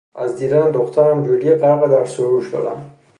از دیدن دخترم جولی غرق در سرور شدم.